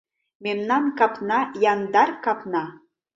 Мемнан капна, яндар капна